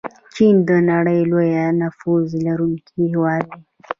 چین د نړۍ لوی نفوس لرونکی هیواد دی.